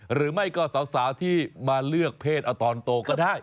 หรือไม่ก็สาวที่มาเลือกเพศเอาตอนโตก็ได้